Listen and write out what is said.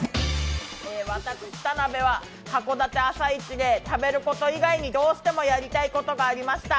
私・田辺は函館朝市で食べること以外にどうしてもやりたいことがありました。